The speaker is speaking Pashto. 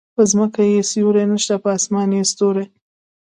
په ځمکه يې سیوری نشته په اسمان ستوری